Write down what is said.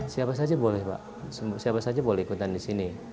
siapa saja boleh pak siapa saja boleh ikutan di sini